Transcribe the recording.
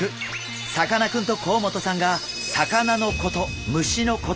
さかなクンと甲本さんが魚のこと